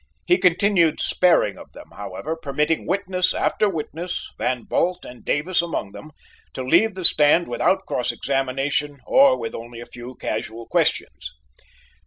He continued sparing of them, however, permitting witness after witness Van Bult and Davis among them to leave the stand without cross examination or with only a few casual questions.